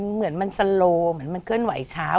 สโลเหมือนมันเคลื่อนไหวช้า